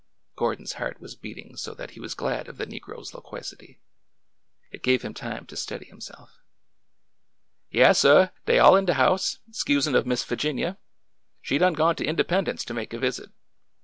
Gordon's heart was beating so that he was glad of the negro's loquacity. It gave him time to steady himself. " Yaas, suh. Dey all in de house,— 'sensin' of Miss Figinia. She done gone to Independence to make a visit.